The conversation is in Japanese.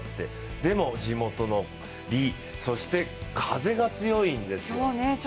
でも、地元の利、そして風が強いんですよ。